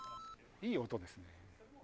いい音ですね。